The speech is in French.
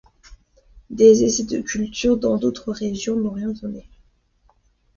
Des essais de culture dans d'autres régions n'ont rien donné.